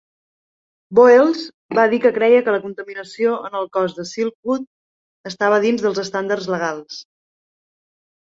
Voelz va dir que creia que la contaminació en el cos de Silkwood estava dins dels estàndards legals.